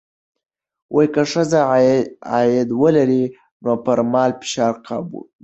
که ښځه عاید ولري، نو پر مالي فشار قابو مومي.